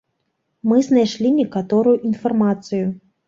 Мы знайшлі некаторую інфармацыю.